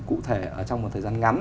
cụ thể trong một thời gian ngắn